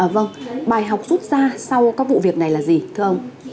vâng bài học rút ra sau các vụ việc này là gì thưa ông